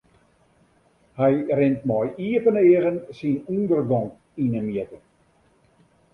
Hy rint mei iepen eagen syn ûndergong yn 'e mjitte.